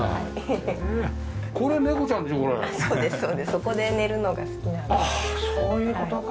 そこで寝るのが好きなので。